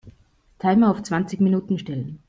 Timer auf zwanzig Minuten stellen.